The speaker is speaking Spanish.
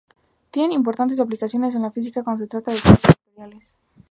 Tienen importantes aplicaciones en la física cuando se trata con campos vectoriales.